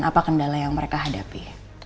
apa kendala yang mereka hadapi